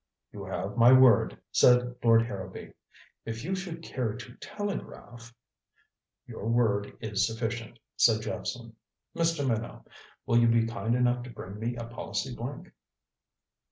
"You have my word," said Lord Harrowby. "If you should care to telegraph " "Your word is sufficient," said Jephson. "Mr. Minot, will you be kind enough to bring me a policy blank?"